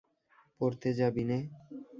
পড়তে যাবি নে?